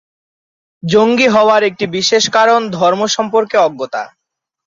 জঙ্গি হওয়ার একটি বিশেষ কারণ ধর্ম সম্পর্কে অজ্ঞতা।